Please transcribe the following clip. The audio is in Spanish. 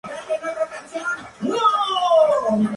Fue enterrado en el cementerio de Greenwood en Nueva Orleans.